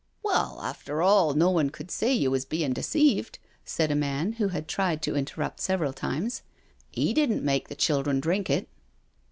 " Well, after all, no one could say you was bein* deceived," said a man who had tried to interrupt several times. *''£ didn't make the children drink it."